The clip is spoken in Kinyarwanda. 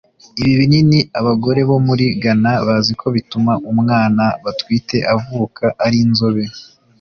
Ibi binini abagore bo muri Ghana baziko bituma umwana batwite avuka ari inzobe